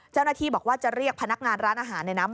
เจ้าหน้าที่บอกว่าจะเรียกพนักงานร้านอาหารในน้ำ